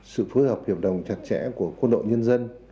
sự phối hợp hiệp đồng chặt chẽ của quân đội nhân dân